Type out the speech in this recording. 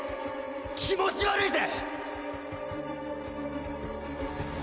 気持ち悪いぜ！